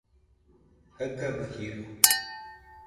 jaɨgabɨ jiro